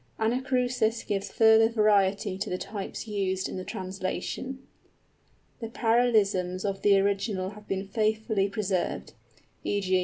Anacrusis gives further variety to the types used in the translation. The parallelisms of the original have been faithfully preserved. (_E.g.